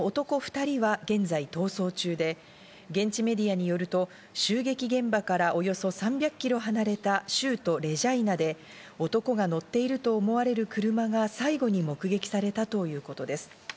２人は現在、逃走中で現地メディアによると、襲撃現場からおよそ３００キロ離れた州都レジャイナで、男が乗っていると思われる車が最後に目撃されたということです。